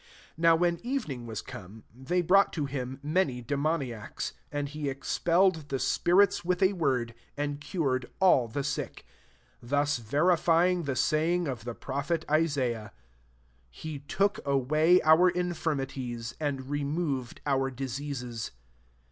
16. Now when evening was come, they brought to him ma ny d^iK)niacs : and he expelled the spirits with a word, and cured all the sick : 17 Thus verifying the saying of the pro phet Isaiah, *^ He took away our infirmities^ and removed our diseases."